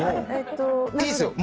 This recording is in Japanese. いいっすよ